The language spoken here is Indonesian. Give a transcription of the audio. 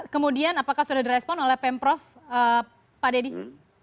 kemudian apakah sudah direspon oleh pemprov pak dedy